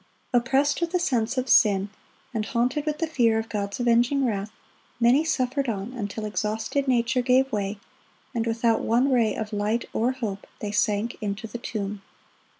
Oppressed with a sense of sin, and haunted with the fear of God's avenging wrath, many suffered on, until exhausted nature gave way, and without one ray of light or hope, they sank into the tomb.